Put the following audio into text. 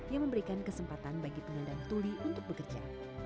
yang memberikan kesempatan bagi penyandang tuli untuk bekerja